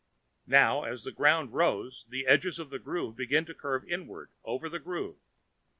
Now, as the ground rose, the edges of the groove began to curve inward over the groove.